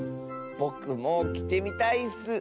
ぼくもきてみたいッス。